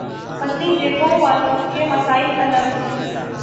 پتلی جیبوں والوں کے مسائل الگ ہیں۔